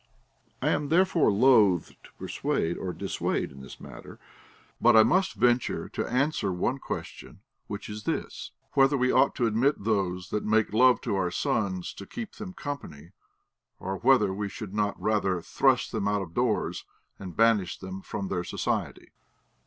I am therefore loath to persuade or dissuade in the matter. But I must venture to answer one question, which is this : whether we ought to ad.mit those that make love to our sons to keep them company, or whether Ave should not rather thrust them out of doors, and banish them from their society.